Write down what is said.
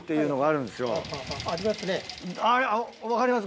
分かります？